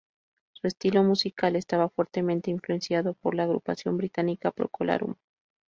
Su estilo musical estaba fuertemente influenciado por la agrupación británica Procol Harum.